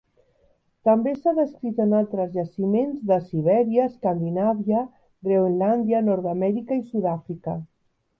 També s'ha descrit en altres jaciments de Sibèria, Escandinàvia, Groenlàndia, Nord-amèrica i Sud-àfrica.